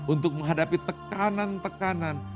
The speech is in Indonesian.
untuk menghadapi tekanan tekanan